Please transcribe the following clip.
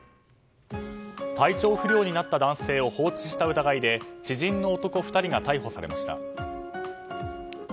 体調不良になった男性を放置した疑いで知人の男２人が逮捕されました。